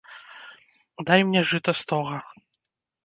Дай мне жыта стога.